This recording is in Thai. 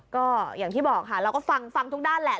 ก็อย่างที่บอกค่ะเราก็ฟังทุกด้านแหละ